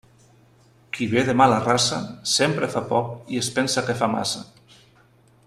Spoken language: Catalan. Qui ve de mala raça, sempre fa poc i es pensa que fa massa.